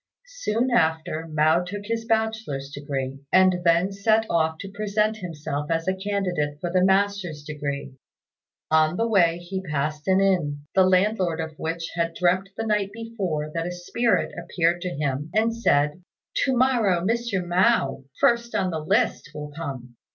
Soon after Mao took his bachelor's degree, and then set off to present himself as a candidate for the master's degree. On the way he passed by an inn, the landlord of which had dreamt the night before that a spirit appeared to him and said, "To morrow Mr. Mao, first on the list, will come.